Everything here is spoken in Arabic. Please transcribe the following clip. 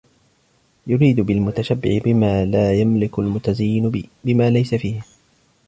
يُرِيدُ بِالْمُتَشَبِّعِ بِمَا لَا يَمْلِكُ الْمُتَزَيِّنَ بِمَا لَيْسَ فِيهِ